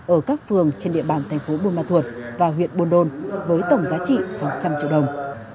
ở các phường trên địa bàn thành phố buôn ma thuột và huyện buôn đôn với tổng giá trị khoảng một trăm linh triệu đồng